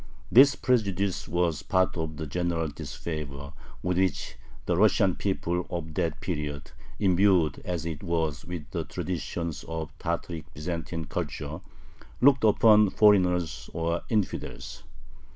This prejudice was part of the general disfavor with which the Russian people of that period, imbued as it was with the traditions of Tataric Byzantine culture, looked upon foreigners or "infidels."